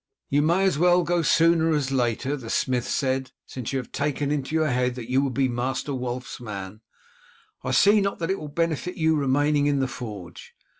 "You may as well go sooner as later," the smith said. "Since you have taken into your head that you will be Master Wulf's man, I see not that it will benefit you remaining in the forge.